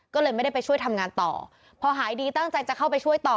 ก็เลยไม่ได้ไปช่วยทำงานต่อพอหายดีตั้งใจจะเข้าไปช่วยต่อ